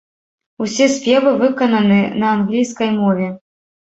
Усе спевы выкананы на англійскай мове.